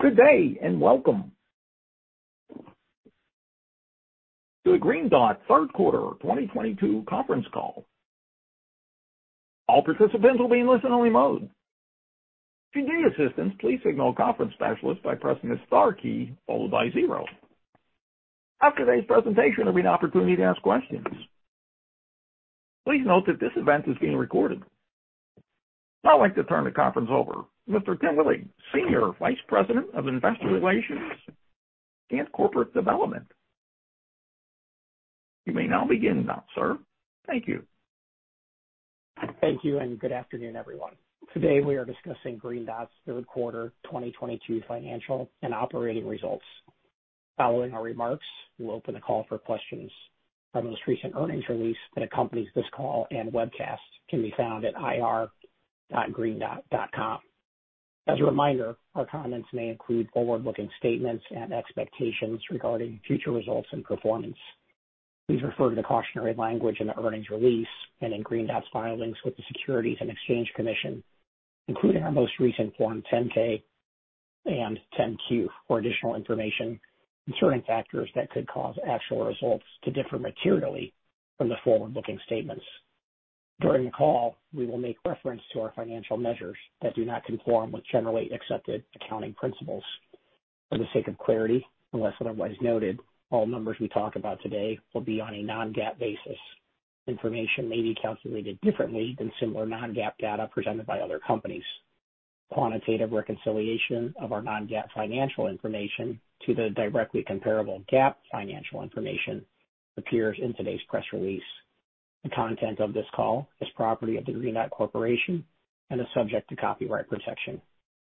Good day and welcome to the Green Dot third quarter 2022 conference call. All participants will be in listen-only mode. If you need assistance, please signal a conference specialist by pressing the star key followed by zero. After today's presentation, there'll be an opportunity to ask questions. Please note that this event is being recorded. Now I'd like to turn the conference over to Mr. Tim Willi, Senior Vice President of Investor Relations and Corporate Development. You may now begin, sir. Thank you. Thank you, and good afternoon, everyone. Today we are discussing Green Dot's third quarter 2022 financial and operating results. Following our remarks, we'll open the call for questions. Our most recent earnings release that accompanies this call and webcast can be found at ir.greendot.com. As a reminder, our comments may include forward-looking statements and expectations regarding future results and performance. Please refer to the cautionary language in the earnings release and in Green Dot's filings with the Securities and Exchange Commission, including our most recent Form 10-K and 10-Q for additional information and certain factors that could cause actual results to differ materially from the forward-looking statements. During the call, we will make reference to our financial measures that do not conform with generally accepted accounting principles. For the sake of clarity, unless otherwise noted, all numbers we talk about today will be on a non-GAAP basis. Information may be calculated differently than similar non-GAAP data presented by other companies. Quantitative reconciliation of our non-GAAP financial information to the directly comparable GAAP financial information appears in today's press release. The content of this call is property of the Green Dot Corporation and is subject to copyright protection.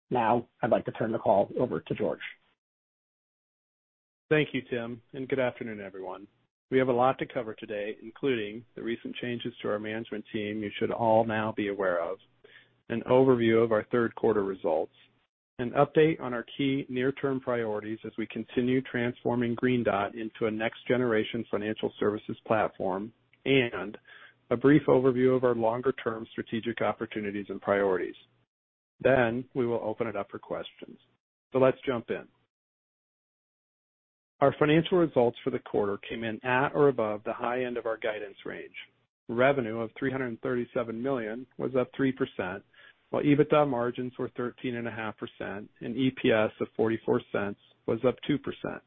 Now, I'd like to turn the call over to George. Thank you, Tim, and good afternoon, everyone. We have a lot to cover today, including the recent changes to our management team you should all now be aware of, an overview of our third quarter results, an update on our key near-term priorities as we continue transforming Green Dot into a next-generation financial services platform, and a brief overview of our longer-term strategic opportunities and priorities. We will open it up for questions. Let's jump in. Our financial results for the quarter came in at or above the high end of our guidance range. Revenue of $337 million was up 3%, while EBITDA margins were 13.5% and EPS of $0.44 was up 2%.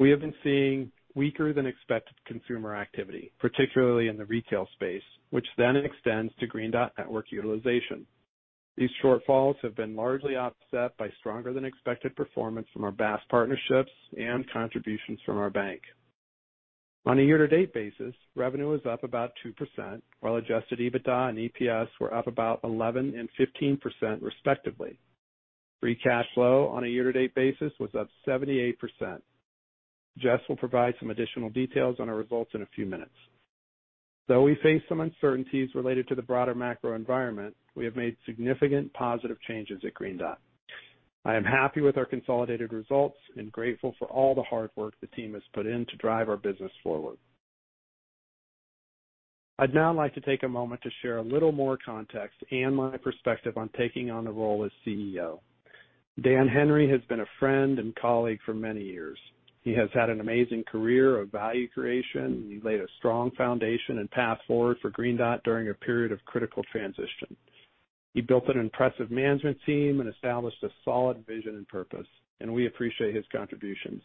We have been seeing weaker than expected consumer activity, particularly in the retail space, which then extends to Green Dot Network utilization. These shortfalls have been largely offset by stronger than expected performance from our BaaS partnerships and contributions from our bank. On a year-to-date basis, revenue was up about 2%, while adjusted EBITDA and EPS were up about 11% and 15%, respectively. Free cash flow on a year-to-date basis was up 78%. Jess will provide some additional details on our results in a few minutes. Though we face some uncertainties related to the broader macro environment, we have made significant positive changes at Green Dot. I am happy with our consolidated results and grateful for all the hard work the team has put in to drive our business forward. I'd now like to take a moment to share a little more context and my perspective on taking on the role as CEO. Dan Henry has been a friend and colleague for many years. He has had an amazing career of value creation, and he laid a strong foundation and path forward for Green Dot during a period of critical transition. He built an impressive management team and established a solid vision and purpose, and we appreciate his contributions.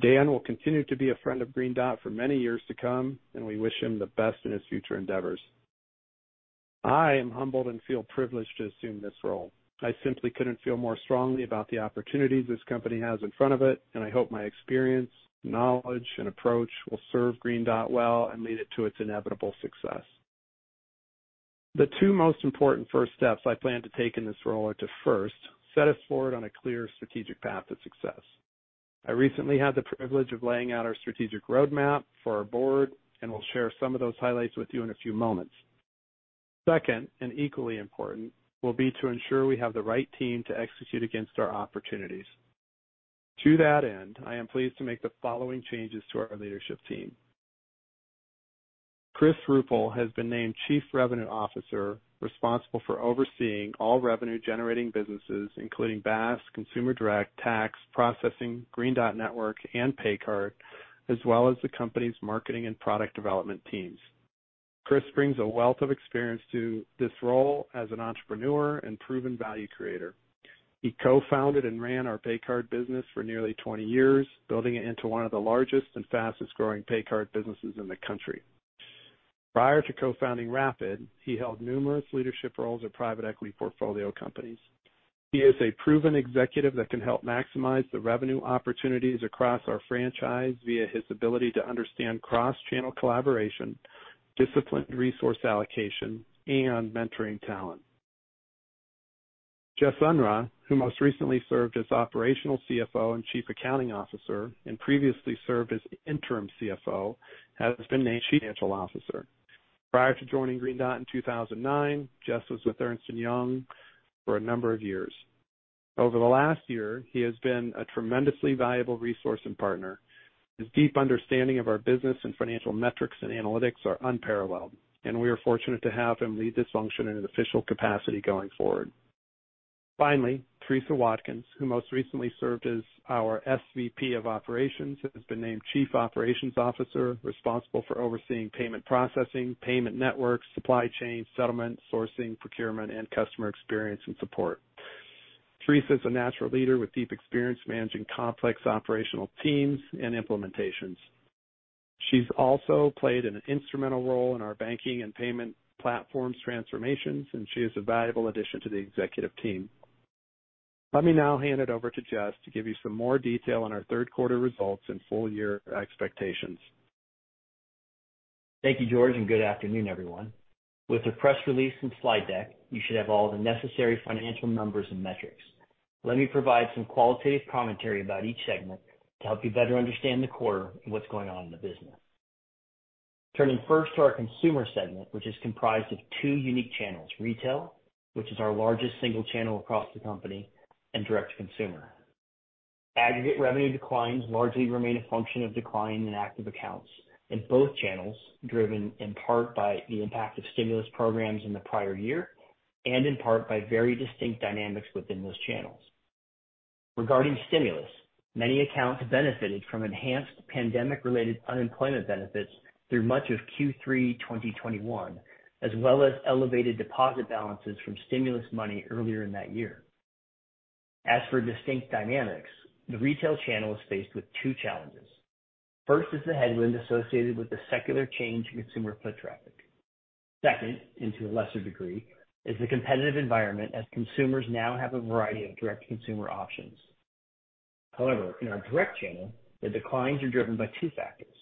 Dan will continue to be a friend of Green Dot for many years to come, and we wish him the best in his future endeavors. I am humbled and feel privileged to assume this role. I simply couldn't feel more strongly about the opportunities this company has in front of it, and I hope my experience, knowledge, and approach will serve Green Dot well and lead it to its inevitable success. The two most important first steps I plan to take in this role are to, first, set us forward on a clear strategic path to success. I recently had the privilege of laying out our strategic roadmap for our board and will share some of those highlights with you in a few moments. Second, and equally important, will be to ensure we have the right team to execute against our opportunities. To that end, I am pleased to make the following changes to our leadership team. Chris Ruppel has been named Chief Revenue Officer, responsible for overseeing all revenue-generating businesses, including BaaS, consumer direct, tax, processing, Green Dot Network, and pay card, as well as the company's marketing and product development teams. Chris brings a wealth of experience to this role as an entrepreneur and proven value creator. He co-founded and ran our pay card business for nearly 20 years, building it into one of the largest and fastest-growing pay card businesses in the country. Prior to co-founding rapid!, he held numerous leadership roles at private equity portfolio companies. He is a proven executive that can help maximize the revenue opportunities across our franchise via his ability to understand cross-channel collaboration, disciplined resource allocation, and mentoring talent. Jess Unruh, who most recently served as Operational CFO and Chief Accounting Officer and previously served as Interim CFO, has been named Chief Financial Officer. Prior to joining Green Dot in 2009, Jess was with Ernst & Young for a number of years. Over the last year, he has been a tremendously valuable resource and partner. His deep understanding of our business and financial metrics and analytics are unparalleled, and we are fortunate to have him lead this function in an official capacity going forward. Finally, Teresa Watkins, who most recently served as our SVP of operations, has been named Chief Operations Officer, responsible for overseeing payment processing, payment networks, supply chain settlement, sourcing, procurement, and customer experience and support. Teresa is a natural leader with deep experience managing complex operational teams and implementations. She's also played an instrumental role in our banking and payment platforms transformations, and she is a valuable addition to the executive team. Let me now hand it over to Jess to give you some more detail on our third quarter results and full year expectations. Thank you, George, and good afternoon, everyone. With the press release and slide deck, you should have all the necessary financial numbers and metrics. Let me provide some qualitative commentary about each segment to help you better understand the quarter and what's going on in the business. Turning first to our consumer segment, which is comprised of two unique channels, retail, which is our largest single channel across the company, and direct-to-consumer. Aggregate revenue declines largely remain a function of decline in active accounts in both channels, driven in part by the impact of stimulus programs in the prior year and in part by very distinct dynamics within those channels. Regarding stimulus, many accounts benefited from enhanced pandemic-related unemployment benefits through much of Q3 2021, as well as elevated deposit balances from stimulus money earlier in that year. As for distinct dynamics, the retail channel is faced with two challenges. First is the headwind associated with the secular change in consumer foot traffic. Second, and to a lesser degree, is the competitive environment, as consumers now have a variety of direct-to-consumer options. However, in our direct channel, the declines are driven by two factors.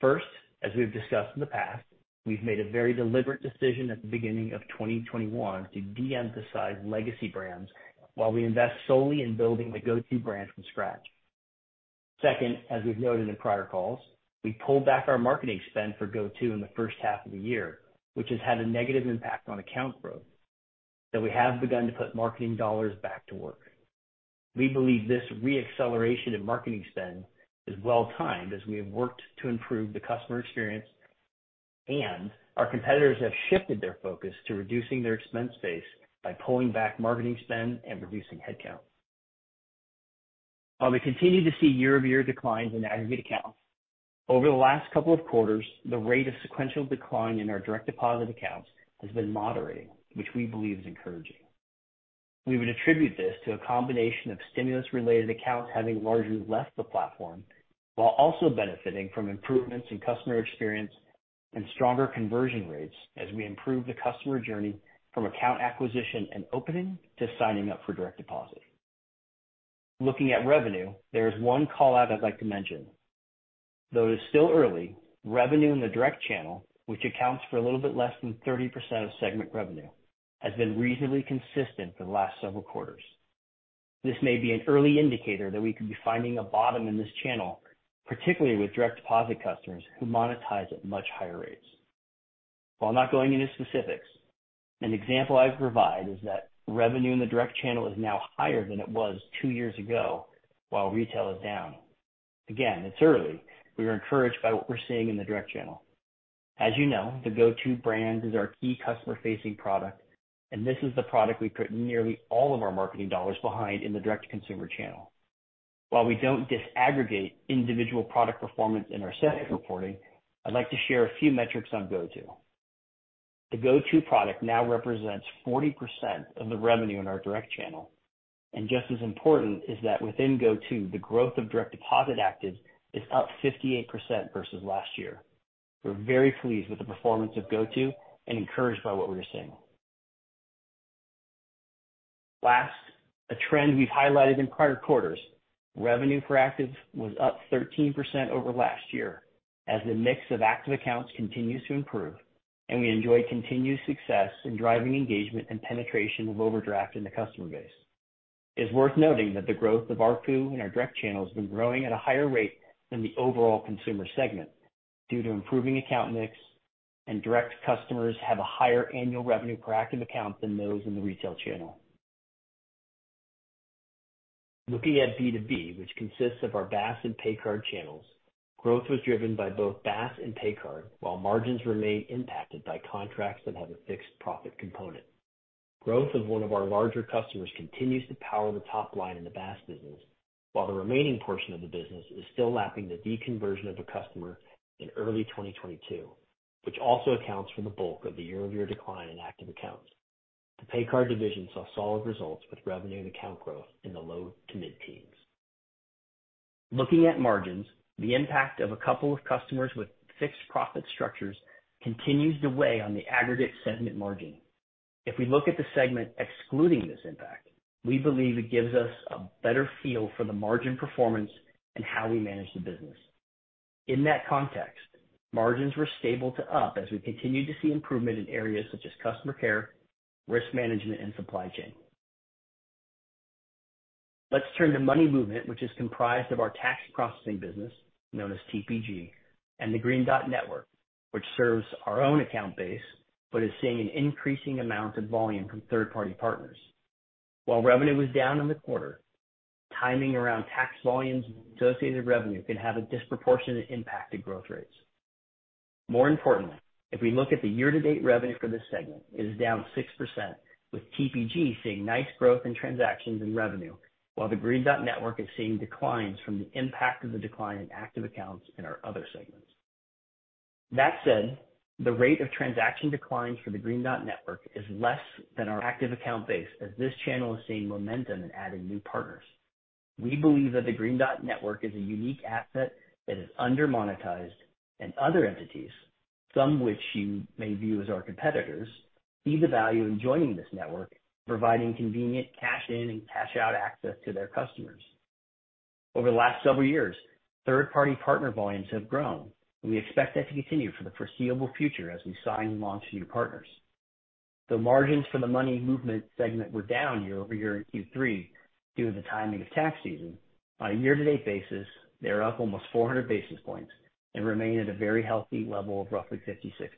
First, as we've discussed in the past, we've made a very deliberate decision at the beginning of 2021 to de-emphasize legacy brands while we invest solely in building the GO2bank brand from scratch. Second, as we've noted in prior calls, we pulled back our marketing spend for GO2bank in the first half of the year, which has had a negative impact on account growth, that we have begun to put marketing dollars back to work. We believe this re-acceleration in marketing spend is well timed as we have worked to improve the customer experience, and our competitors have shifted their focus to reducing their expense base by pulling back marketing spend and reducing headcount. While we continue to see year-over-year declines in aggregate accounts, over the last couple of quarters, the rate of sequential decline in our direct deposit accounts has been moderating, which we believe is encouraging. We would attribute this to a combination of stimulus-related accounts having largely left the platform while also benefiting from improvements in customer experience and stronger conversion rates as we improve the customer journey from account acquisition and opening to signing up for direct deposit. Looking at revenue, there is one call-out I'd like to mention. Though it is still early, revenue in the direct channel, which accounts for a little bit less than 30% of segment revenue, has been reasonably consistent for the last several quarters. This may be an early indicator that we could be finding a bottom in this channel, particularly with direct deposit customers who monetize at much higher rates. While not going into specifics, an example I provide is that revenue in the direct channel is now higher than it was two years ago while retail is down. Again, it's early. We are encouraged by what we're seeing in the direct channel. As you know, the GO2bank brand is our key customer-facing product, and this is the product we put nearly all of our marketing dollars behind in the direct-to-consumer channel. While we don't disaggregate individual product performance in our segment reporting, I'd like to share a few metrics on GO2bank. The GO2bank product now represents 40% of the revenue in our direct channel, and just as important is that within GO2bank, the growth of direct deposit actives is up 58% versus last year. We're very pleased with the performance of GO2bank and encouraged by what we are seeing. Last, a trend we've highlighted in prior quarters. Revenue per active was up 13% over last year as the mix of active accounts continues to improve and we enjoy continued success in driving engagement and penetration of overdraft in the customer base. It's worth noting that the growth of ARPU in our direct channel has been growing at a higher rate than the overall consumer segment due to improving account mix, and direct customers have a higher annual revenue per active account than those in the retail channel. Looking at B2B, which consists of our BaaS and pay card channels, growth was driven by both BaaS and pay card, while margins remain impacted by contracts that have a fixed profit component. Growth of one of our larger customers continues to power the top line in the BaaS business, while the remaining portion of the business is still lapping the deconversion of a customer in early 2022, which also accounts for the bulk of the year-over-year decline in active accounts. The pay card division saw solid results with revenue and account growth in the low to mid-teens. Looking at margins, the impact of a couple of customers with fixed profit structures continues to weigh on the aggregate segment margin. If we look at the segment excluding this impact, we believe it gives us a better feel for the margin performance and how we manage the business. In that context, margins were stable to up as we continue to see improvement in areas such as customer care, risk management, and supply chain. Let's turn to money movement, which is comprised of our tax processing business, known as TPG, and the Green Dot Network, which serves our own account base but is seeing an increasing amount of volume from third-party partners. While revenue was down in the quarter, timing around tax volumes and associated revenue can have a disproportionate impact to growth rates. More importantly, if we look at the year-to-date revenue for this segment, it is down 6%, with TPG seeing nice growth in transactions and revenue, while the Green Dot Network is seeing declines from the impact of the decline in active accounts in our other segments. That said, the rate of transaction declines for the Green Dot Network is less than our active account base, as this channel is seeing momentum in adding new partners. We believe that the Green Dot Network is a unique asset that is under-monetized and other entities, some which you may view as our competitors, see the value in joining this network, providing convenient cash in and cash out access to their customers. Over the last several years, third-party partner volumes have grown, and we expect that to continue for the foreseeable future as we sign and launch new partners. The margins for the money movement segment were down year-over-year in Q3 due to the timing of tax season. On a year-to-date basis, they are up almost 400 basis points and remain at a very healthy level of roughly 56%.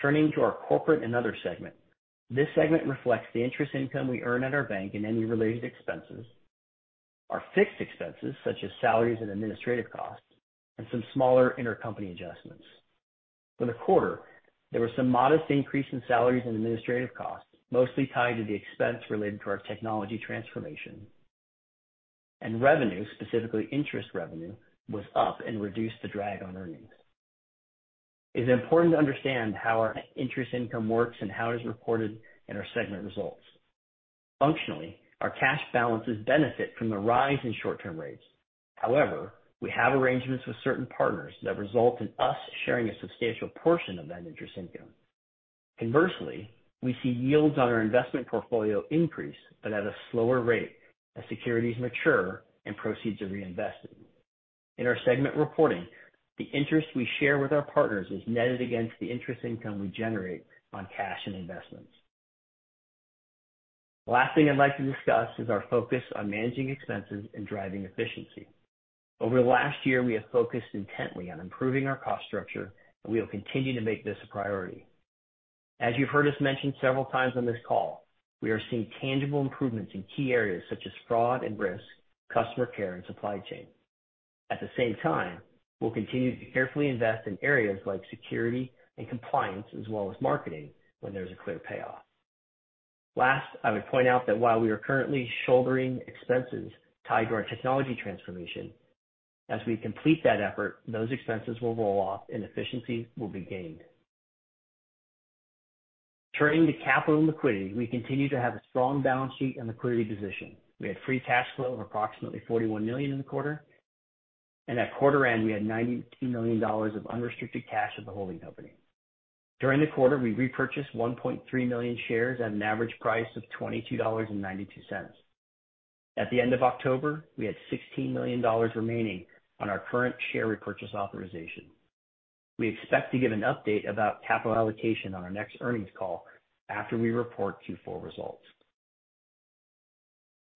Turning to our corporate and other segment. This segment reflects the interest income we earn at our bank and any related expenses, our fixed expenses such as salaries and administrative costs, and some smaller intercompany adjustments. For the quarter, there was some modest increase in salaries and administrative costs, mostly tied to the expense related to our technology transformation. Revenue, specifically interest revenue, was up and reduced the drag on earnings. It is important to understand how our interest income works and how it is reported in our segment results. Functionally, our cash balances benefit from the rise in short-term rates. However, we have arrangements with certain partners that result in us sharing a substantial portion of that interest income. Inversely, we see yields on our investment portfolio increase but at a slower rate as securities mature and proceeds are reinvested. In our segment reporting, the interest we share with our partners is netted against the interest income we generate on cash and investments. The last thing I'd like to discuss is our focus on managing expenses and driving efficiency. Over the last year, we have focused intently on improving our cost structure, and we will continue to make this a priority. As you've heard us mention several times on this call, we are seeing tangible improvements in key areas such as fraud and risk, customer care, and supply chain. At the same time, we'll continue to carefully invest in areas like security and compliance as well as marketing when there's a clear payoff. Last, I would point out that while we are currently shouldering expenses tied to our technology transformation, as we complete that effort, those expenses will roll off and efficiency will be gained. Turning to capital and liquidity, we continue to have a strong balance sheet and liquidity position. We had free cash flow of approximately $41 million in the quarter, and at quarter end we had $92 million of unrestricted cash at the holding company. During the quarter, we repurchased 1.3 million shares at an average price of $22.92. At the end of October, we had $16 million remaining on our current share repurchase authorization. We expect to give an update about capital allocation on our next earnings call after we report Q4 results.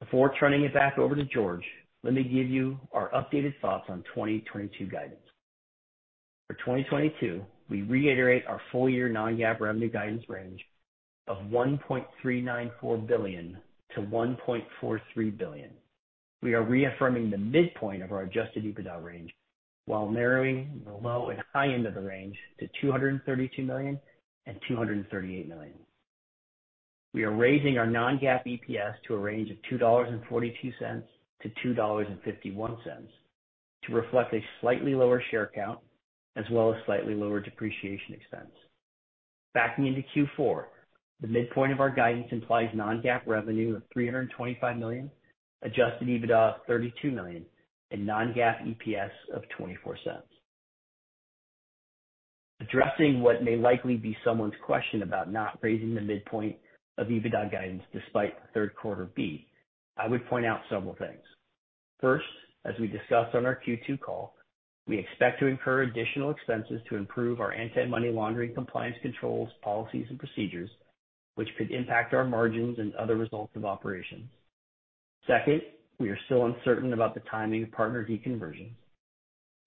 Before turning it back over to George, let me give you our updated thoughts on 2022 guidance. For 2022, we reiterate our full year non-GAAP revenue guidance range of $1.394 billion-$1.43 billion. We are reaffirming the midpoint of our adjusted EBITDA range while narrowing the low and high end of the range to $232 million-$238 million. We are raising our non-GAAP EPS to a range of $2.42-$2.51 to reflect a slightly lower share count as well as slightly lower depreciation expense. Backing into Q4, the midpoint of our guidance implies non-GAAP revenue of $325 million, adjusted EBITDA of $32 million, and non-GAAP EPS of $0.24. Addressing what may likely be someone's question about not raising the midpoint of EBITDA guidance despite third quarter beat, I would point out several things. First, as we discussed on our Q2 call, we expect to incur additional expenses to improve our anti-money laundering compliance controls, policies, and procedures, which could impact our margins and other results of operations. Second, we are still uncertain about the timing of partner deconversion.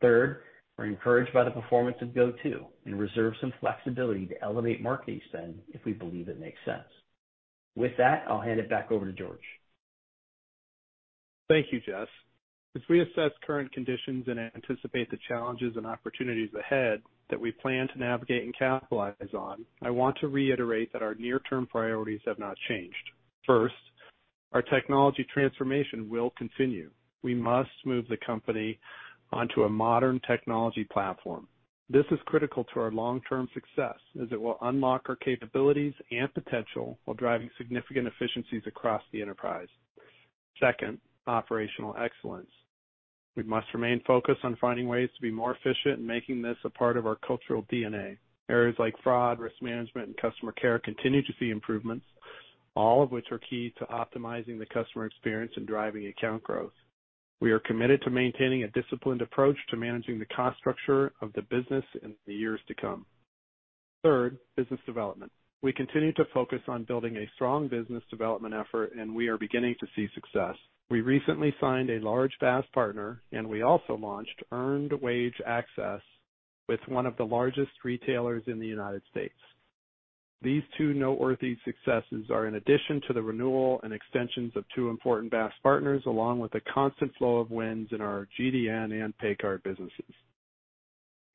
Third, we're encouraged by the performance of GO2bank and reserve some flexibility to elevate marketing spend if we believe it makes sense. With that, I'll hand it back over to George. Thank you, Jess. As we assess current conditions and anticipate the challenges and opportunities ahead that we plan to navigate and capitalize on, I want to reiterate that our near-term priorities have not changed. First, our technology transformation will continue. We must move the company onto a modern technology platform. This is critical to our long-term success as it will unlock our capabilities and potential while driving significant efficiencies across the enterprise. Second, operational excellence. We must remain focused on finding ways to be more efficient and making this a part of our cultural DNA. Areas like fraud, risk management, and customer care continue to see improvements, all of which are key to optimizing the customer experience and driving account growth. We are committed to maintaining a disciplined approach to managing the cost structure of the business in the years to come. Third, business development. We continue to focus on building a strong business development effort, and we are beginning to see success. We recently signed a large SaaS partner, and we also launched Earned Wage Access with one of the largest retailers in the United States. These two noteworthy successes are in addition to the renewal and extensions of two important BaaS partners, along with a constant flow of wins in our GDN and paycard businesses.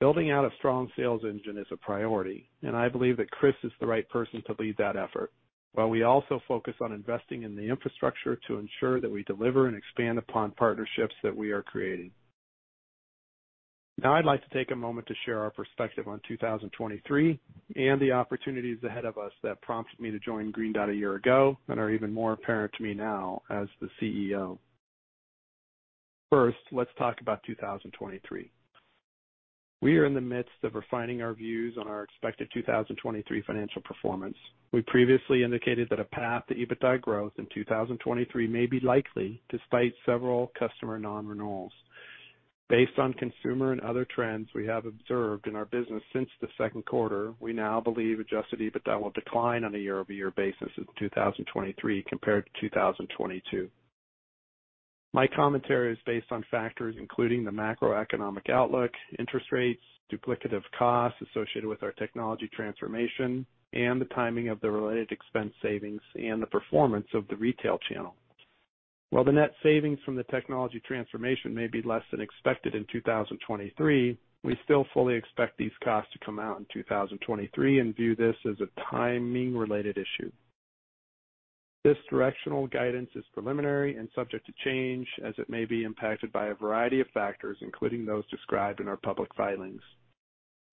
Building out a strong sales engine is a priority, and I believe that Chris is the right person to lead that effort, while we also focus on investing in the infrastructure to ensure that we deliver and expand upon partnerships that we are creating. Now, I'd like to take a moment to share our perspective on 2023 and the opportunities ahead of us that prompted me to join Green Dot a year ago and are even more apparent to me now as the CEO. First, let's talk about 2023. We are in the midst of refining our views on our expected 2023 financial performance. We previously indicated that a path to EBITDA growth in 2023 may be likely despite several customer non-renewals. Based on consumer and other trends we have observed in our business since the second quarter, we now believe adjusted EBITDA will decline on a year-over-year basis in 2023 compared to 2022. My commentary is based on factors including the macroeconomic outlook, interest rates, duplicative costs associated with our technology transformation, and the timing of the related expense savings and the performance of the retail channel. While the net savings from the technology transformation may be less than expected in 2023, we still fully expect these costs to come out in 2023 and view this as a timing-related issue. This directional guidance is preliminary and subject to change as it may be impacted by a variety of factors, including those described in our public filings.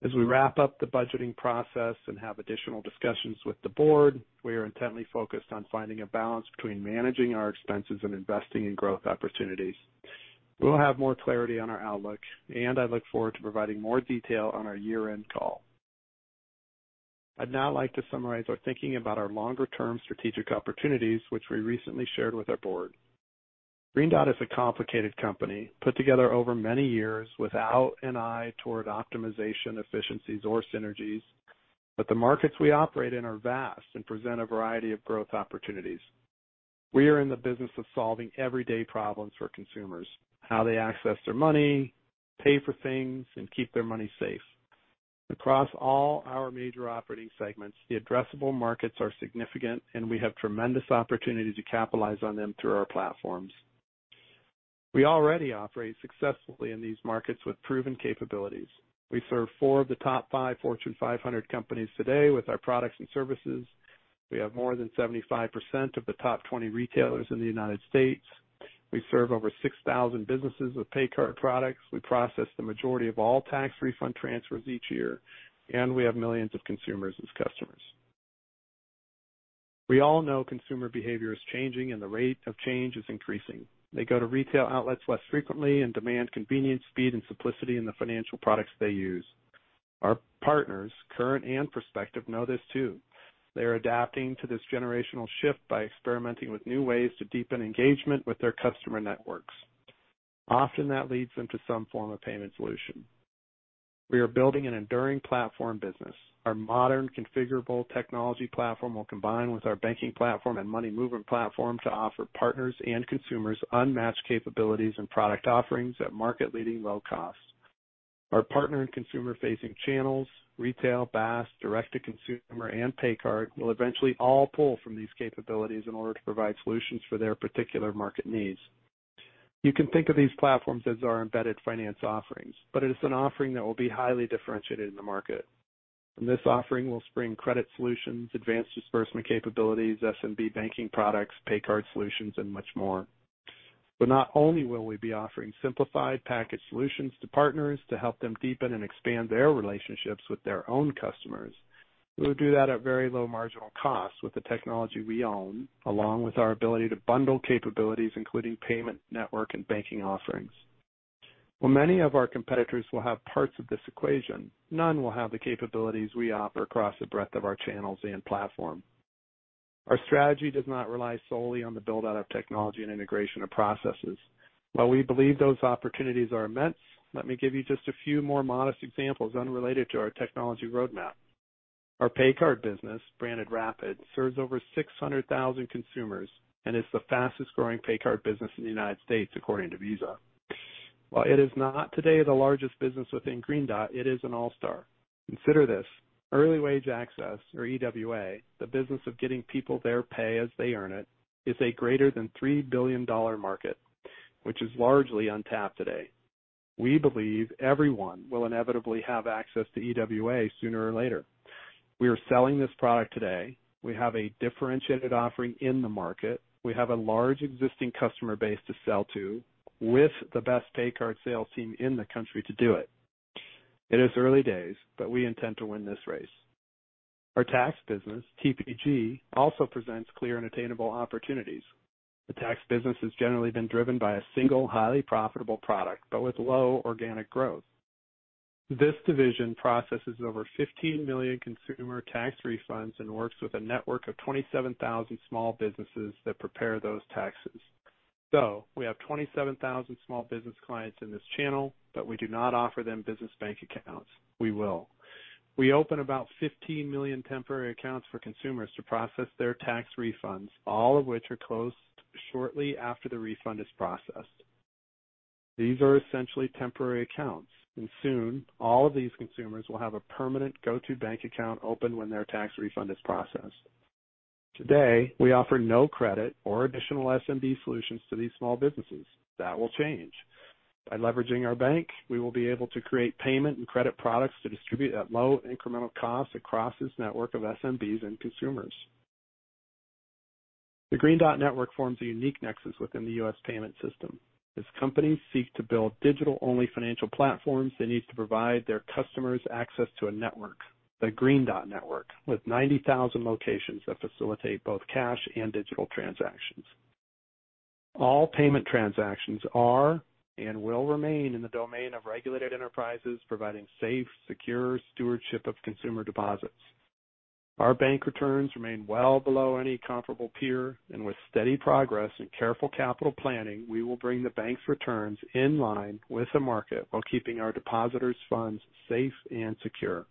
As we wrap up the budgeting process and have additional discussions with the board, we are intently focused on finding a balance between managing our expenses and investing in growth opportunities. We'll have more clarity on our outlook, and I look forward to providing more detail on our year-end call. I'd now like to summarize our thinking about our longer-term strategic opportunities, which we recently shared with our board. Green Dot is a complicated company put together over many years without an eye toward optimization, efficiencies or synergies. The markets we operate in are vast and present a variety of growth opportunities. We are in the business of solving everyday problems for consumers, how they access their money, pay for things and keep their money safe. Across all our major operating segments, the addressable markets are significant and we have tremendous opportunity to capitalize on them through our platforms. We already operate successfully in these markets with proven capabilities. We serve four of the top five Fortune 500 companies today with our products and services. We have more than 75% of the top 20 retailers in the United States. We serve over 6,000 businesses with paycard products. We process the majority of all tax refund transfers each year, and we have millions of consumers as customers. We all know consumer behavior is changing and the rate of change is increasing. They go to retail outlets less frequently and demand convenience, speed and simplicity in the financial products they use. Our partners, current and prospective, know this too. They are adapting to this generational shift by experimenting with new ways to deepen engagement with their customer networks. Often that leads them to some form of payment solution. We are building an enduring platform business. Our modern configurable technology platform will combine with our banking platform and money movement platform to offer partners and consumers unmatched capabilities and product offerings at market leading low cost. Our partner and consumer-facing channels, retail, BaaS, direct-to-consumer and paycard will eventually all pull from these capabilities in order to provide solutions for their particular market needs. You can think of these platforms as our embedded finance offerings, but it is an offering that will be highly differentiated in the market. This offering will bring credit solutions, advanced disbursement capabilities, SMB banking products, paycard solutions and much more. Not only will we be offering simplified package solutions to partners to help them deepen and expand their relationships with their own customers, we will do that at very low marginal cost with the technology we own, along with our ability to bundle capabilities, including payment, network and banking offerings. While many of our competitors will have parts of this equation, none will have the capabilities we offer across the breadth of our channels and platform. Our strategy does not rely solely on the build-out of technology and integration of processes. While we believe those opportunities are immense, let me give you just a few more modest examples unrelated to our technology roadmap. Our paycard business, branded rapid!, serves over 600,000 consumers and is the fastest-growing paycard business in the United States according to Visa. While it is not today the largest business within Green Dot, it is an all-star. Consider this. Earned wage access, or EWA, the business of getting people their pay as they earn it, is a greater than $3 billion market which is largely untapped today. We believe everyone will inevitably have access to EWA sooner or later. We are selling this product today. We have a differentiated offering in the market. We have a large existing customer base to sell to with the best paycard sales team in the country to do it. It is early days, but we intend to win this race. Our tax business, TPG, also presents clear and attainable opportunities. The tax business has generally been driven by a single highly profitable product, but with low organic growth. This division processes over 15 million consumer tax refunds and works with a network of 27,000 small businesses that prepare those taxes. We have 27,000 small business clients in this channel, but we do not offer them business bank accounts. We will. We open about 15 million temporary accounts for consumers to process their tax refunds, all of which are closed shortly after the refund is processed. These are essentially temporary accounts, and soon all of these consumers will have a permanent go-to bank account open when their tax refund is processed. Today, we offer no credit or additional SMB solutions to these small businesses. That will change. By leveraging our bank, we will be able to create payment and credit products to distribute at low incremental costs across this network of SMBs and consumers. The Green Dot Network forms a unique nexus within the U.S. payment system. As companies seek to build digital-only financial platforms, they need to provide their customers access to a network, the Green Dot Network, with 90,000 locations that facilitate both cash and digital transactions. All payment transactions are and will remain in the domain of regulated enterprises providing safe, secure stewardship of consumer deposits. Our bank returns remain well below any comparable peer, and with steady progress and careful capital planning, we will bring the bank's returns in line with the market while keeping our depositors' funds safe and secure.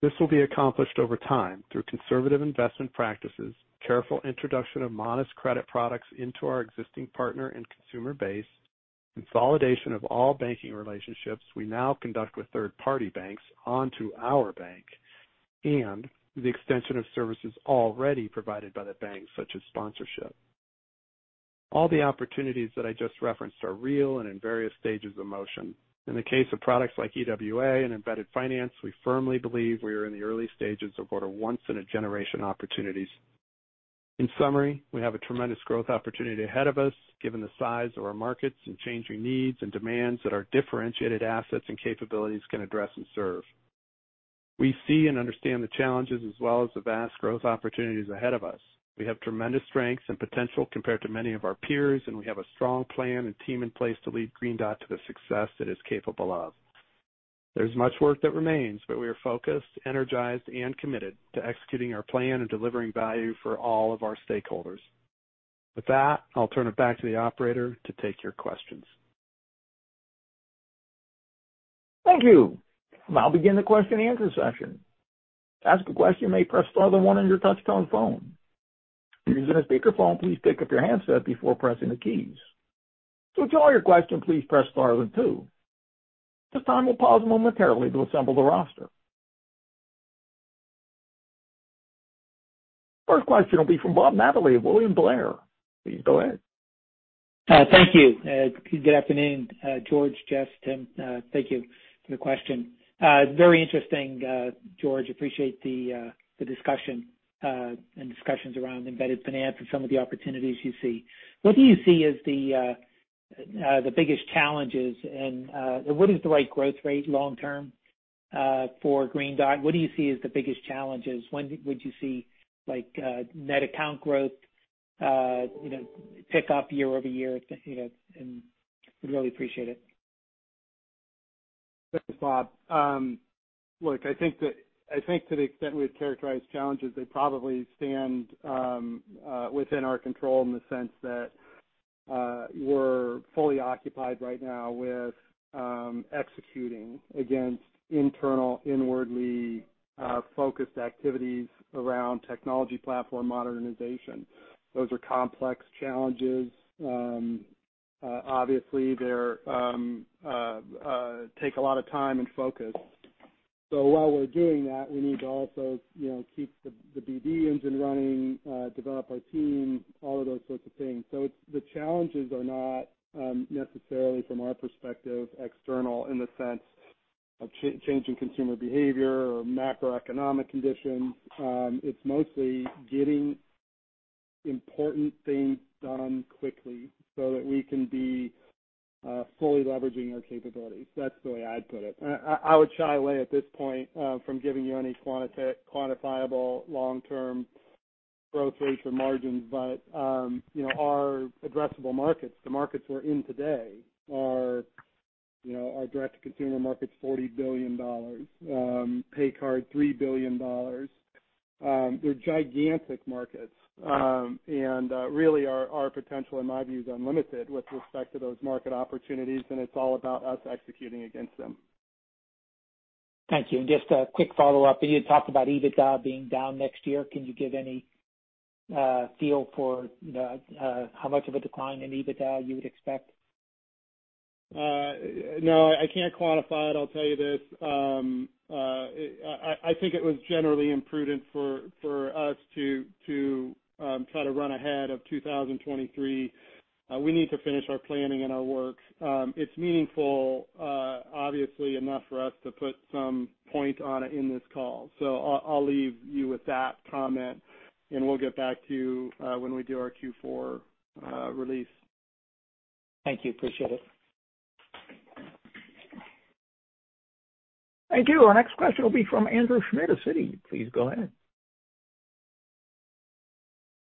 This will be accomplished over time through conservative investment practices, careful introduction of modest credit products into our existing partner and consumer base, consolidation of all banking relationships we now conduct with third-party banks onto our bank, and the extension of services already provided by the bank, such as sponsorship. All the opportunities that I just referenced are real and in various stages of motion. In the case of products like EWA and embedded finance, we firmly believe we are in the early stages of what are once-in-a-generation opportunities. In summary, we have a tremendous growth opportunity ahead of us, given the size of our markets and changing needs and demands that our differentiated assets and capabilities can address and serve. We see and understand the challenges as well as the vast growth opportunities ahead of us. We have tremendous strengths and potential compared to many of our peers, and we have a strong plan and team in place to lead Green Dot to the success it is capable of. There's much work that remains, but we are focused, energized, and committed to executing our plan and delivering value for all of our stakeholders. With that, I'll turn it back to the operator to take your questions. Thank you. I'll begin the question and answer session. To ask a question, you may press star then one on your touchtone phone. If you're using a speakerphone, please pick up your handset before pressing the keys. To withdraw your question, please press star then two. At this time, we'll pause momentarily to assemble the roster. First question will be from Bob Napoli of William Blair. Please go ahead. Thank you. Good afternoon, George, Jess, Tim. Thank you for the question. Very interesting, George. Appreciate the discussion and discussions around embedded finance and some of the opportunities you see. What do you see as the biggest challenges and what is the right growth rate long term for Green Dot? When would you see like net account growth you know pick up year-over-year you know and we'd really appreciate it. Thanks, Bob. Look, I think to the extent we've characterized challenges, they probably stand within our control in the sense that we're fully occupied right now with executing against internal, internally focused activities around technology platform modernization. Those are complex challenges. Obviously, they take a lot of time and focus. So while we're doing that, we need to also, you know, keep the BD engine running, develop our team, all of those sorts of things. So it's the challenges are not necessarily from our perspective, external in the sense of changing consumer behavior or macroeconomic conditions. It's mostly getting important things done quickly so that we can be fully leveraging our capabilities. That's the way I'd put it. I would shy away at this point from giving you any quantifiable long-term growth rates or margins. You know, our addressable markets, the markets we're in today are, you know, our direct-to-consumer market's $40 billion, pay card, $3 billion. They're gigantic markets. Really our potential, in my view, is unlimited with respect to those market opportunities, and it's all about us executing against them. Thank you. Just a quick follow-up. You had talked about EBITDA being down next year. Can you give any feel for the how much of a decline in EBITDA you would expect? No, I can't quantify it. I'll tell you this. I think it was generally imprudent for us to try to run ahead of 2023. We need to finish our planning and our work. It's meaningful, obviously enough for us to put some point on it in this call. I'll leave you with that comment and we'll get back to you when we do our Q4 release. Thank you. Appreciate it. Thank you. Our next question will be from Andrew Schmidt of Citi. Please go ahead.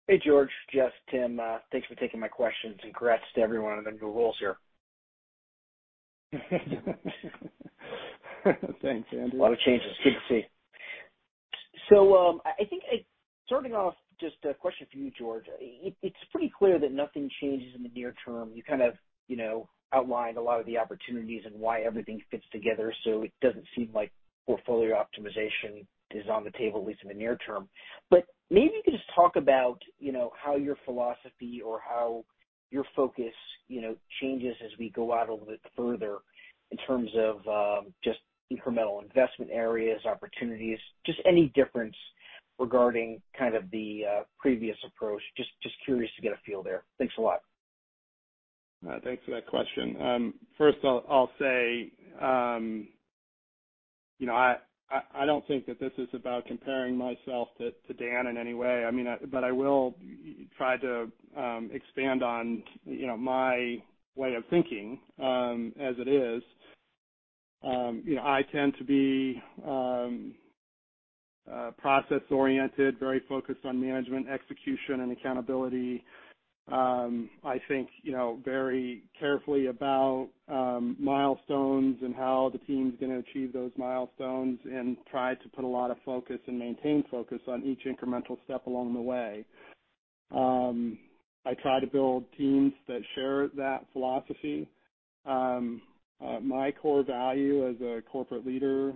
Hey, George, Jess, Tim. Thanks for taking my questions and congrats to every one of the new roles here. Thanks, Andrew. A lot of changes. Good to see. I think starting off just a question for you, George. It's pretty clear that nothing changes in the near term. You kind of, you know, outlined a lot of the opportunities and why everything fits together, so it doesn't seem like portfolio optimization is on the table, at least in the near term. But maybe you could just talk about, you know, how your philosophy or how your focus, you know, changes as we go out a little bit further in terms of just incremental investment areas, opportunities. Just any difference regarding kind of the previous approach. Just curious to get a feel there. Thanks a lot. Thanks for that question. First I'll say, you know, I don't think that this is about comparing myself to Dan in any way. I mean, I will try to expand on, you know, my way of thinking, as it is. You know, I tend to be process-oriented, very focused on management, execution, and accountability. I think, you know, very carefully about milestones and how the team's gonna achieve those milestones and try to put a lot of focus and maintain focus on each incremental step along the way. I try to build teams that share that philosophy. My core value as a corporate leader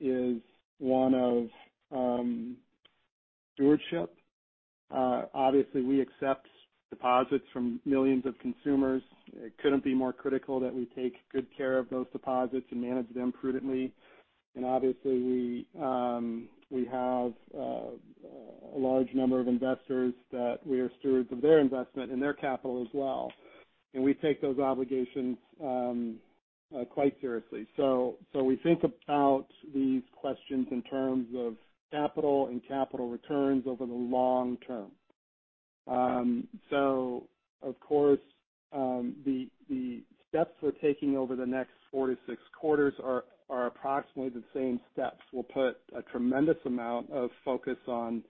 is one of stewardship. Obviously we accept deposits from millions of consumers. It couldn't be more critical that we take good care of those deposits and manage them prudently. Obviously we have a large number of investors that we are stewards of their investment and their capital as well. We take those obligations quite seriously. We think about these questions in terms of capital and capital returns over the long term. Of course, the steps we're taking over the next 4-6 quarters are approximately the same steps. We'll put a tremendous amount of focus on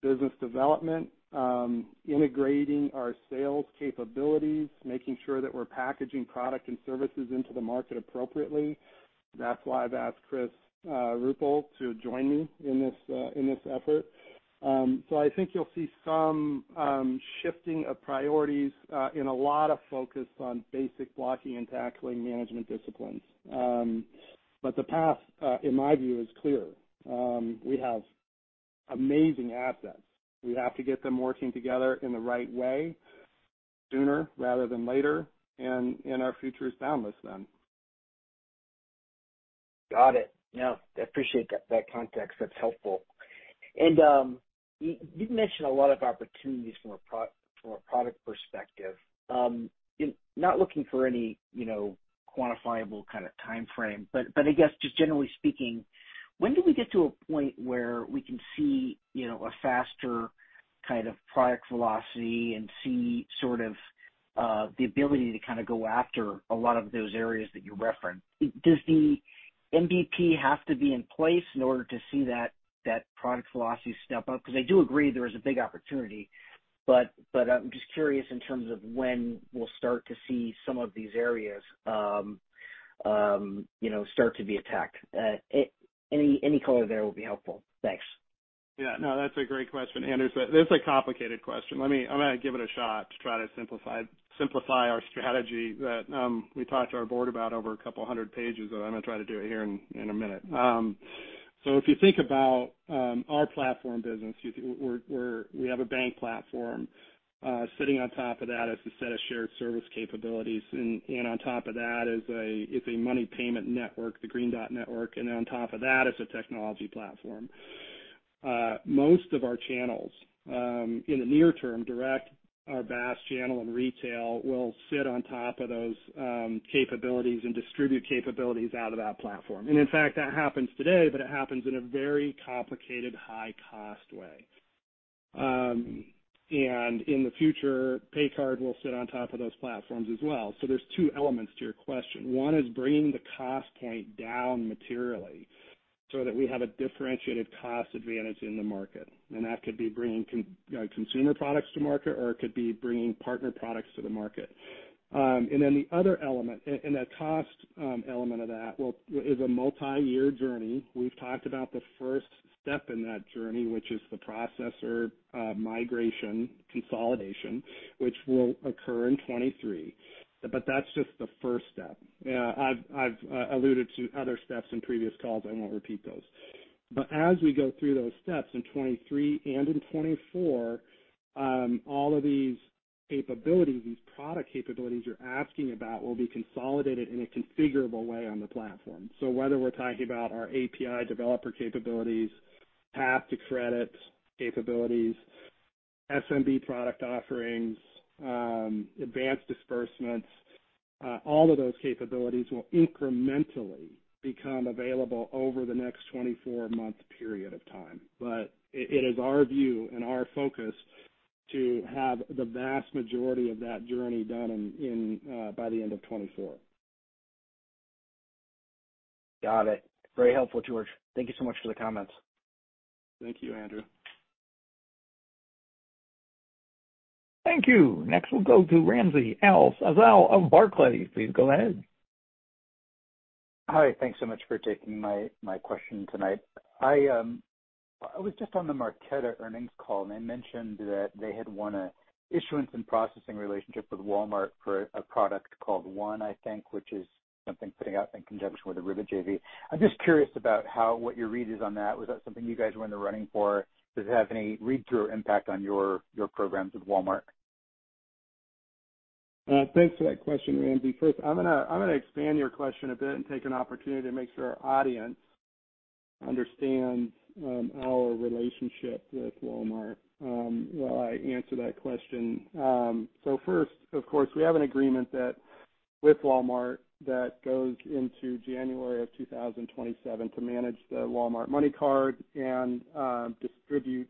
business development, integrating our sales capabilities, making sure that we're packaging product and services into the market appropriately. That's why I've asked Chris Ruppel to join me in this effort. I think you'll see some shifting of priorities and a lot of focus on basic blocking and tackling management disciplines. The path, in my view, is clear. We have amazing assets. We have to get them working together in the right way sooner rather than later, and our future is boundless then. Got it. No, I appreciate that context. That's helpful. You've mentioned a lot of opportunities from a from a product perspective. And not looking for any, you know, quantifiable kind of timeframe, but I guess just generally speaking, when do we get to a point where we can see, you know, a faster kind of product velocity and see sort of the ability to kind of go after a lot of those areas that you referenced? Does the MVP have to be in place in order to see that product velocity step up? Because I do agree there is a big opportunity, but I'm just curious in terms of when we'll start to see some of these areas, you know, start to be attacked. Any color there will be helpful. Thanks. Yeah, no, that's a great question, Andrew. That's a complicated question. Let me give it a shot to try to simplify our strategy that we talked to our board about over a couple hundred pages, but I'm gonna try to do it here in a minute. If you think about our platform business, we have a bank platform. Sitting on top of that is a set of shared service capabilities and on top of that is a money payment network, the Green Dot Network, and on top of that is a technology platform. Most of our channels, in the near term, direct, our BaaS channel and retail will sit on top of those capabilities and distribute capabilities out of that platform. In fact, that happens today, but it happens in a very complicated, high-cost way. In the future, paycard will sit on top of those platforms as well. There's two elements to your question. One is bringing the cost point down materially so that we have a differentiated cost advantage in the market. That could be bringing consumer products to market, or it could be bringing partner products to the market. The other element. That cost element of that is a multiyear journey. We've talked about the first step in that journey, which is the processor migration consolidation, which will occur in 2023. That's just the first step. I've alluded to other steps in previous calls. I won't repeat those. As we go through those steps in 2023 and in 2024, all of these capabilities, these product capabilities you're asking about, will be consolidated in a configurable way on the platform. Whether we're talking about our API developer capabilities, path to credit capabilities, SMB product offerings, advanced disbursements, all of those capabilities will incrementally become available over the next 24-month period of time. It is our view and our focus to have the vast majority of that journey done by the end of 2024. Got it. Very helpful, George. Thank you so much for the comments. Thank you, Andrew. Thank you. Next, we'll go to Ramsey El-Assal of Barclays. Please go ahead. Hi. Thanks so much for taking my question tonight. I was just on the Marqeta earnings call, and they mentioned that they had won an issuance and processing relationship with Walmart for a product called One, I think, which is something putting out in conjunction with the Ribbit JV. I'm just curious about what your read is on that. Was that something you guys were in the running for? Does it have any read-through or impact on your programs with Walmart? Thanks for that question, Ramsey. First, I'm gonna expand your question a bit and take an opportunity to make sure our audience understands our relationship with Walmart while I answer that question. First, of course, we have an agreement with Walmart that goes into January of 2027 to manage the Walmart MoneyCard and distribute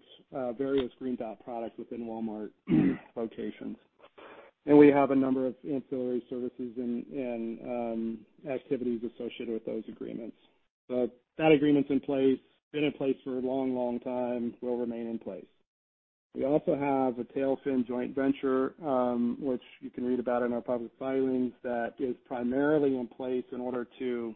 various Green Dot products within Walmart locations. We have a number of ancillary services and activities associated with those agreements. That agreement's in place, been in place for a long, long time, will remain in place. We also have a TailFin joint venture, which you can read about in our public filings, that is primarily in place in order to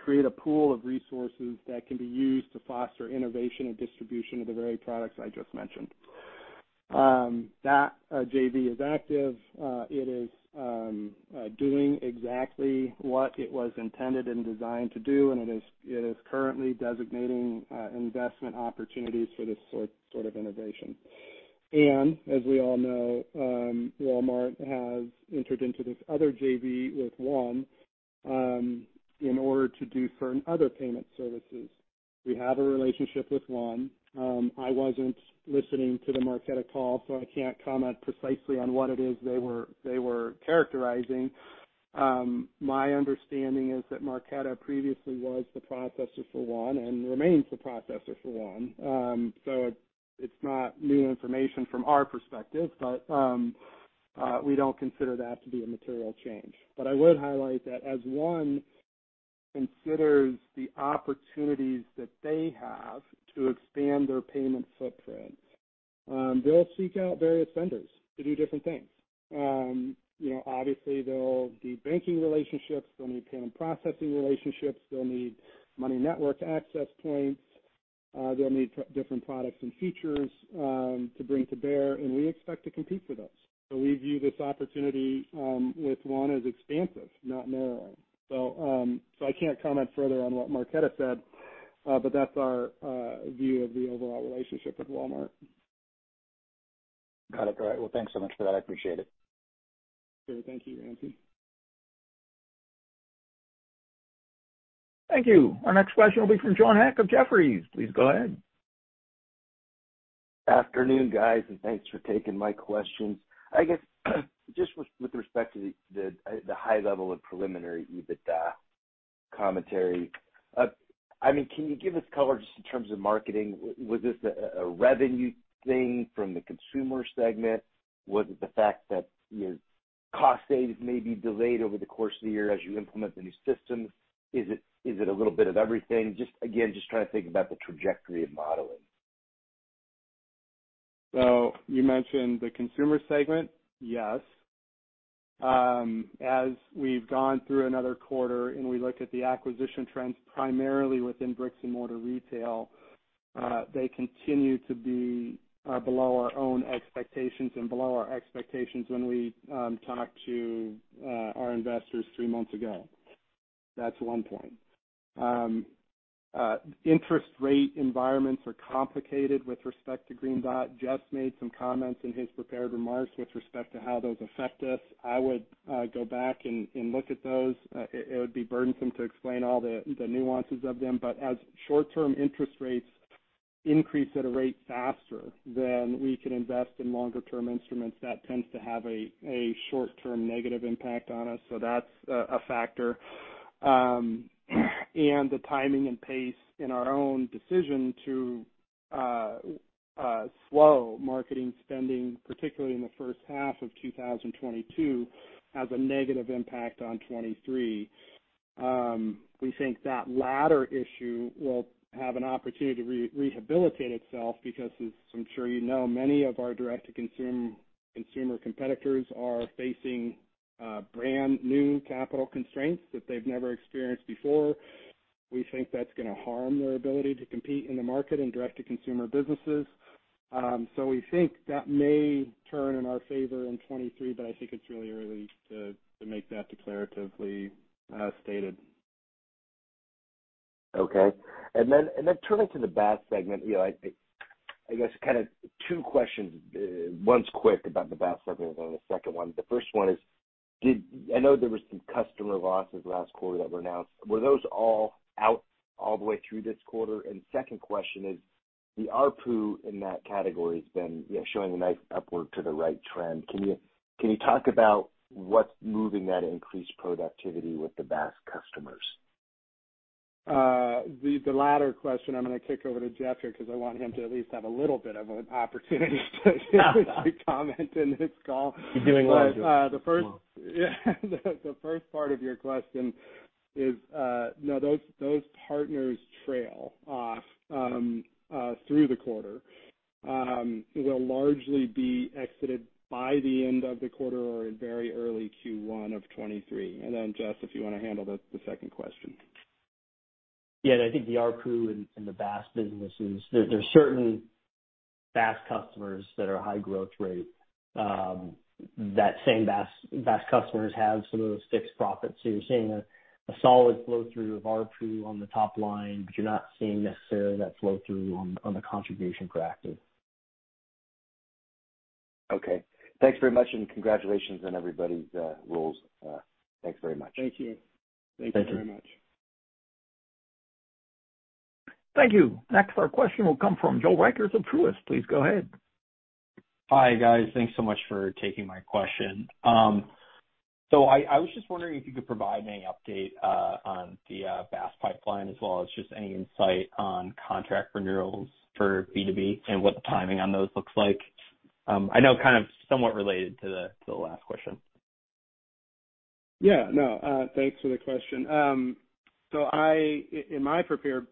create a pool of resources that can be used to foster innovation and distribution of the very products I just mentioned. That JV is active. It is doing exactly what it was intended and designed to do, and it is currently designating investment opportunities for this sort of innovation. As we all know, Walmart has entered into this other JV with One, in order to do certain other payment services. We have a relationship with One. I wasn't listening to the Marqeta call, so I can't comment precisely on what it is they were characterizing. My understanding is that Marqeta previously was the processor for One and remains the processor for One. It's not new information from our perspective, but we don't consider that to be a material change. I would highlight that as One considers the opportunities that they have to expand their payment footprint, they'll seek out various vendors to do different things. You know, obviously they'll need banking relationships, they'll need payment processing relationships, they'll need money network access points, they'll need different products and features to bring to bear, and we expect to compete for those. We view this opportunity with One as expansive, not narrowly. I can't comment further on what Marqeta said, but that's our view of the overall relationship with Walmart. Got it. Well, thanks so much for that. I appreciate it. Sure. Thank you, Ramsey. Thank you. Our next question will be from John Hecht of Jefferies. Please go ahead. Afternoon, guys, and thanks for taking my questions. I guess just with respect to the high level of preliminary EBITDA commentary, I mean, can you give us color just in terms of marketing? Was this a revenue thing from the consumer segment? Was it the fact that, you know, cost savings may be delayed over the course of the year as you implement the new systems? Is it a little bit of everything? Just again, just trying to think about the trajectory of modeling. You mentioned the consumer segment. Yes. As we've gone through another quarter and we look at the acquisition trends primarily within bricks and mortar retail, they continue to be below our own expectations and below our expectations when we talked to our investors three months ago. That's one point. Interest rate environments are complicated with respect to Green Dot. Jess made some comments in his prepared remarks with respect to how those affect us. I would go back and look at those. It would be burdensome to explain all the nuances of them. But as short-term interest rates increase at a rate faster than we can invest in longer-term instruments, that tends to have a short-term negative impact on us. That's a factor. The timing and pace in our own decision to slow marketing spending, particularly in the first half of 2022, has a negative impact on 2023. We think that latter issue will have an opportunity to rehabilitate itself because as I'm sure you know, many of our direct-to-consumer competitors are facing brand new capital constraints that they've never experienced before. We think that's gonna harm their ability to compete in the market and direct-to-consumer businesses. We think that may turn in our favor in 2023, but I think it's really early to make that declaratively stated. Okay, turning to the BaaS segment, you know, I guess kind of two questions. One's quick about the BaaS segment, and then the second one. The first one is, I know there were some customer losses last quarter that were announced. Were those all out all the way through this quarter? Second question is, the ARPU in that category has been, you know, showing a nice upward to the right trend. Can you talk about what's moving that increased productivity with the BaaS customers? The latter question I'm gonna kick over to Jess here because I want him to at least have a little bit of an opportunity to comment in this call. He's doing a lot of work. But, uh, the first- Yeah. The first part of your question is no, those partners trail through the quarter will largely be exited by the end of the quarter or in very early Q1 of 2023. Then Jess, if you wanna handle the second question. Yeah, I think the ARPU and the BaaS business is there. There's certain BaaS customers that are high growth rate, that same BaaS customers have some of those fixed profits. You're seeing a solid flow through of ARPU on the top line, but you're not seeing necessarily that flow through on the contribution profit. Okay. Thanks very much and congratulations on everybody's roles. Thanks very much. Thank you. Thanks very much. Thank you. Next, our question will come from Joe Vafi of Truist. Please go ahead. Hi, guys. Thanks so much for taking my question. I was just wondering if you could provide any update on the BaaS pipeline as well as just any insight on contract renewals for B2B and what the timing on those looks like. I know kind of somewhat related to the last question. Yeah, no, thanks for the question. In my prepared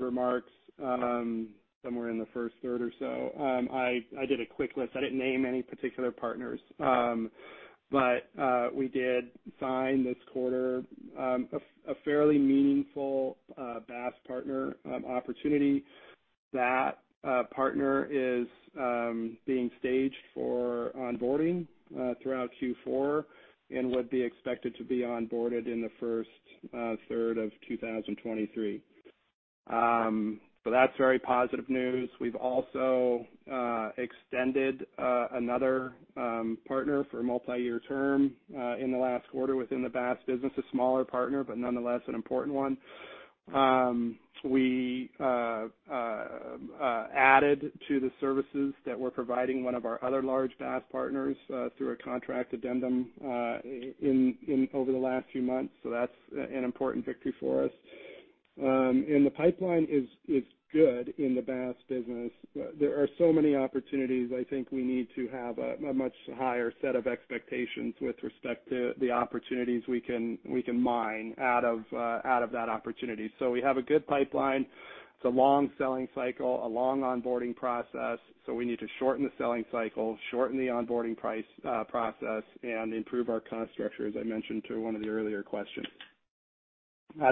remarks, somewhere in the first third or so, I did a quick list. I didn't name any particular partners. We did sign this quarter a fairly meaningful BaaS partner opportunity. That partner is being staged for onboarding throughout Q4 and would be expected to be onboarded in the first third of 2023. That's very positive news. We've also extended another partner for a multi-year term in the last quarter within the BaaS business, a smaller partner, but nonetheless an important one. We added to the services that we're providing one of our other large BaaS partners through a contract addendum over the last few months. That's an important victory for us. The pipeline is good in the BaaS business. There are so many opportunities I think we need to have a much higher set of expectations with respect to the opportunities we can mine out of that opportunity. We have a good pipeline. It's a long selling cycle, a long onboarding process, so we need to shorten the selling cycle, shorten the onboarding process, and improve our cost structure, as I mentioned to one of the earlier questions.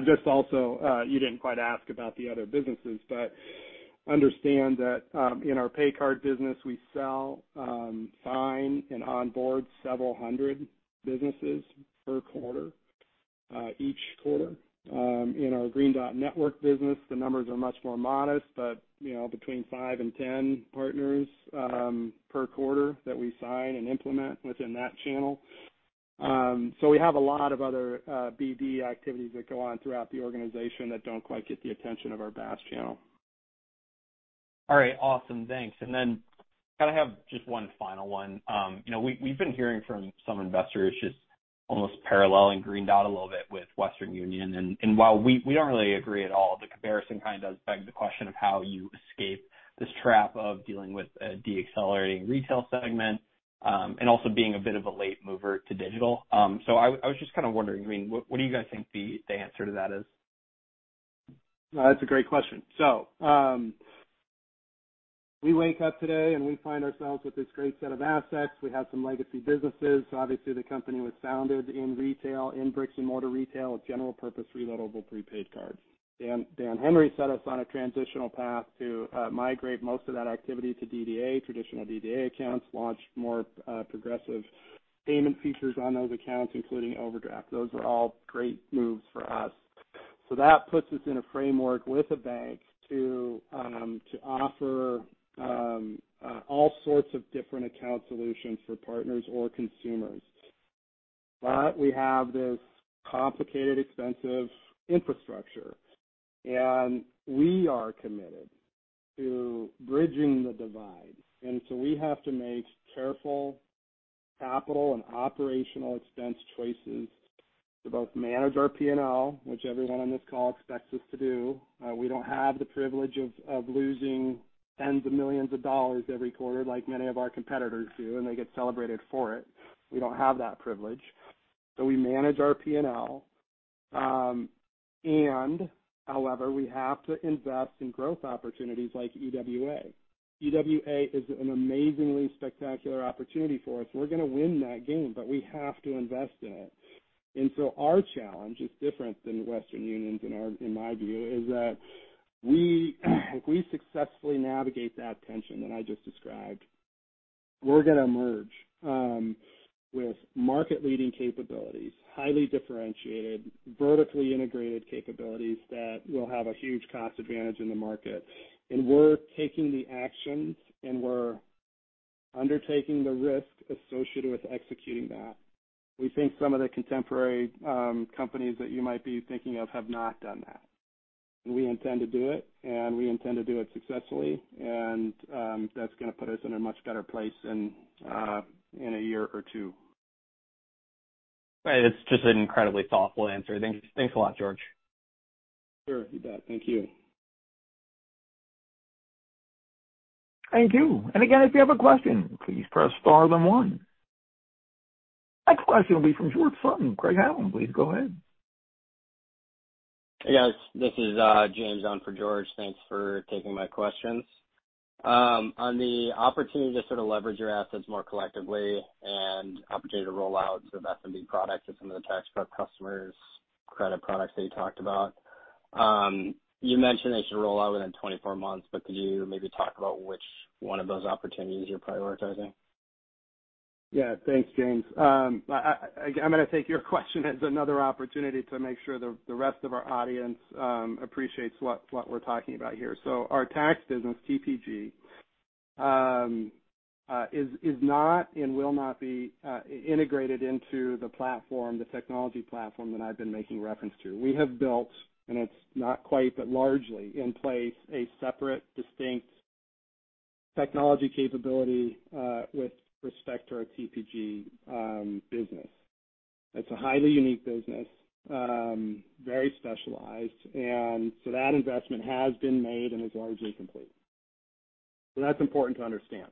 Just also, you didn't quite ask about the other businesses, but understand that in our pay card business, we sell, sign and onboard several hundred businesses per quarter each quarter. In our Green Dot Network business, the numbers are much more modest, but, you know, between five and 10 partners per quarter that we sign and implement within that channel. We have a lot of other BD activities that go on throughout the organization that don't quite get the attention of our BaaS channel. All right. Awesome. Thanks. Kinda have just one final one. You know, we've been hearing from some investors just almost paralleling Green Dot a little bit with Western Union. While we don't really agree at all, the comparison kind of does beg the question of how you escape this trap of dealing with a decelerating retail segment, and also being a bit of a late mover to digital. I was just kinda wondering, I mean, what do you guys think the answer to that is? That's a great question. We wake up today and we find ourselves with this great set of assets. We have some legacy businesses. Obviously the company was founded in retail, in bricks and mortar retail, with general purpose reloadable prepaid cards. Dan Henry set us on a transitional path to migrate most of that activity to DDA, traditional DDA accounts, launch more progressive payment features on those accounts, including overdraft. Those are all great moves for us. That puts us in a framework with a bank to offer all sorts of different account solutions for partners or consumers. We have this complicated, expensive infrastructure, and we are committed to bridging the divide. We have to make careful capital and operational expense choices to both manage our P&L, which everyone on this call expects us to do. We don't have the privilege of losing tens of millions of dollars every quarter like many of our competitors do, and they get celebrated for it. We don't have that privilege. We manage our P&L, and however, we have to invest in growth opportunities like EWA. EWA is an amazingly spectacular opportunity for us. We're gonna win that game, but we have to invest in it. Our challenge is different than Western Union's in my view, is that if we successfully navigate that tension that I just described, we're gonna emerge with market-leading capabilities, highly differentiated, vertically integrated capabilities that will have a huge cost advantage in the market. We're taking the actions, and we're undertaking the risk associated with executing that. We think some of the contemporary, companies that you might be thinking of have not done that. We intend to do it, and we intend to do it successfully. That's gonna put us in a much better place in a year or two. Right. It's just an incredibly thoughtful answer. Thanks a lot, George. Sure. You bet. Thank you. I do. Again, if you have a question, please press star then one. Next question will be from George Sutton, Craig-Hallum. Please go ahead. Hey, guys. This is James on for George. Thanks for taking my questions. On the opportunity to sort of leverage your assets more collectively and opportunity to roll out sort of SMB products to some of the TaxPro customers, credit products that you talked about. You mentioned they should roll out within 24 months, but could you maybe talk about which one of those opportunities you're prioritizing? Yeah. Thanks, James. I'm gonna take your question as another opportunity to make sure the rest of our audience appreciates what we're talking about here. Our tax business, TPG, is not and will not be integrated into the platform, the technology platform that I've been making reference to. We have built, and it's not quite, but largely in place, a separate, distinct technology capability with respect to our TPG business. It's a highly unique business, very specialized, and that investment has been made and is largely complete. That's important to understand.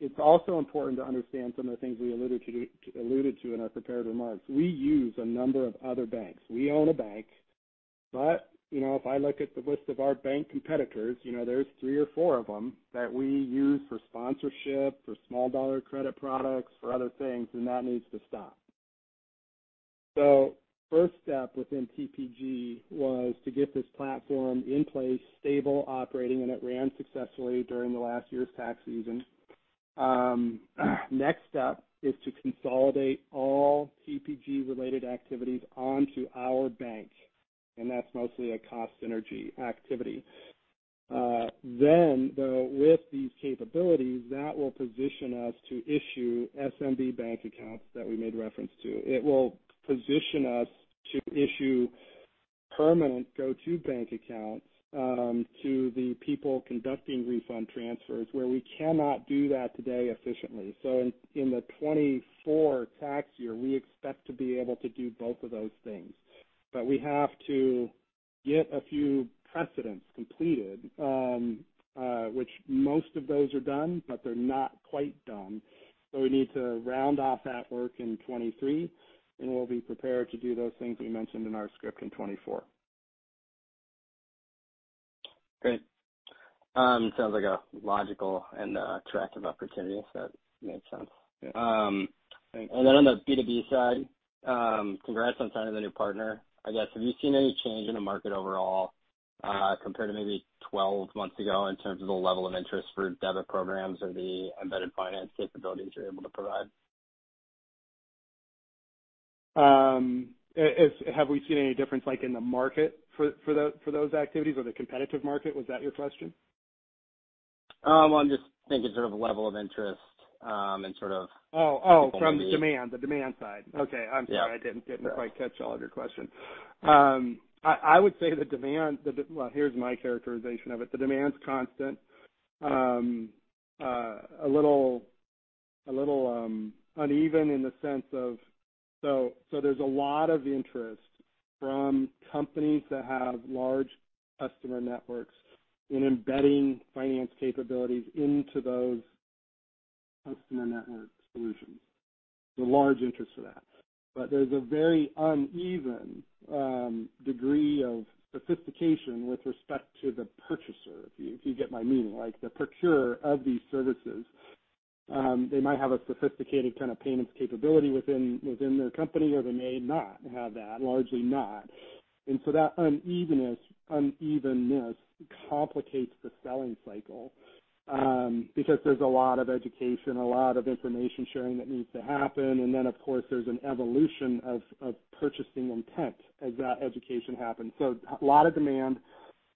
It's also important to understand some of the things we alluded to in our prepared remarks. We use a number of other banks. We own a bank, but, you know, if I look at the list of our bank competitors, you know, there's three or four of them that we use for sponsorship, for small dollar credit products, for other things, and that needs to stop. First step within TPG was to get this platform in place, stable, operating, and it ran successfully during the last year's tax season. Next step is to consolidate all TPG-related activities onto our bank, and that's mostly a cost synergy activity. Then, though, with these capabilities, that will position us to issue SMB bank accounts that we made a reference to. It will position us to issue permanent GO2bank accounts to the people conducting refund transfers where we cannot do that today efficiently. In the 2024 tax year, we expect to be able to do both of those things. We have to get a few precedents completed, which most of those are done, but they're not quite done. We need to round off that work in 2023, and we'll be prepared to do those things we mentioned in our script in 2024. Great. Sounds like a logical and attractive opportunity, so that makes sense. Yeah. On the B2B side, congrats on signing the new partner. I guess, have you seen any change in the market overall, compared to maybe 12 months ago in terms of the level of interest for debit programs or the embedded finance capabilities you're able to provide? Have we seen any difference, like, in the market for those activities or the competitive market? Was that your question? Well, I'm just thinking sort of level of interest. From the demand side. Okay. Yeah. I'm sorry. I didn't quite catch all of your question. I would say the demand. Well, here's my characterization of it. The demand's constant. A little uneven in the sense of there's a lot of interest from companies that have large customer networks in embedding finance capabilities into those customer network solutions. There's a large interest for that. But there's a very uneven degree of sophistication with respect to the purchaser, if you get my meaning, like the procurer of these services. They might have a sophisticated kind of payments capability within their company, or they may not have that, largely not. That unevenness complicates the selling cycle, because there's a lot of education, a lot of information-sharing that needs to happen. Of course, there's an evolution of purchasing intent as that education happens. A lot of demand.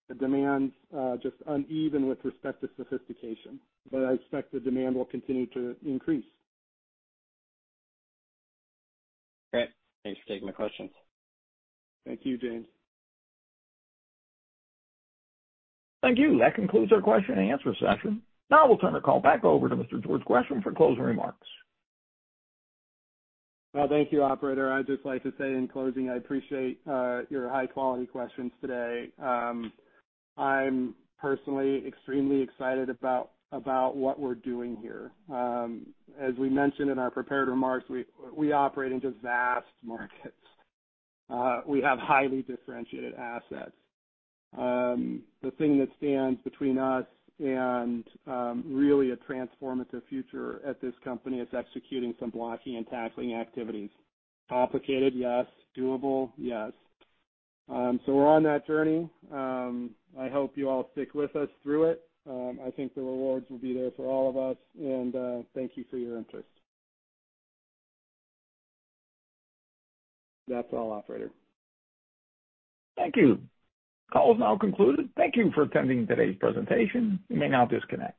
The demand's just uneven with respect to sophistication, but I expect the demand will continue to increase. Great. Thanks for taking my questions. Thank you, James. Thank you. That concludes our question-and-answer session. Now we'll turn the call back over to Mr. George Gresham for closing remarks. Well, thank you, operator. I'd just like to say in closing, I appreciate your high-quality questions today. I'm personally extremely excited about what we're doing here. As we mentioned in our prepared remarks, we operate into vast markets. We have highly differentiated assets. The thing that stands between us and really a transformative future at this company is executing some blocking and tackling activities. Complicated? Yes. Doable? Yes. We're on that journey. I hope you all stick with us through it. I think the rewards will be there for all of us and thank you for your interest. That's all, operator. Thank you. Call is now concluded. Thank you for attending today's presentation. You may now disconnect.